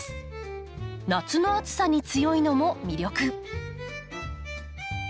夏の暑さに強いのも魅力。